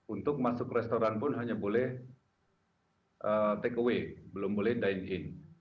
untuk masuk restoran pun hanya boleh take away belum boleh dine in